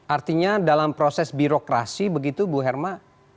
artinya dalam proses birokrasi begitu bu herma